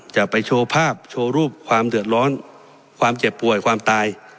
จะไปโชว์ภาพโชว์รูปความเดือดร้อนความเจ็บป่วยความตาย